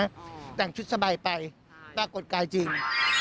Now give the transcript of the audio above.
แต่งชุดสบายไปปรากฏกายจริง